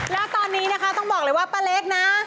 แล้วตอนนี้นะคะต้องบอกเลยว่าป้าเล็กนะ